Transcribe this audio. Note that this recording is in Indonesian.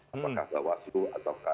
apakah bawaslu atau